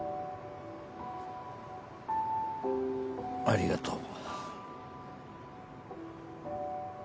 ありがとう。